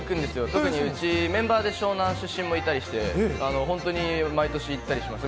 特にうち、メンバーで湘南出身もいたりして、本当に毎年行ったりします。